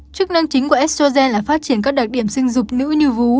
chức năng chính của shogen là phát triển các đặc điểm sinh dục nữ như vú